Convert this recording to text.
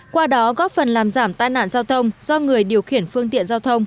qua đó góp phần làm giảm tai nạn giao thông do người điều khiển phương tiện giao thông